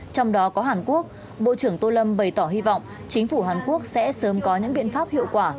trong đó có hàn quốc bộ trưởng tô lâm bày tỏ hy vọng chính phủ hàn quốc sẽ sớm có những biện pháp hiệu quả